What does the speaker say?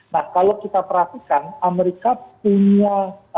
nah kalau kita perhatikan amerika punya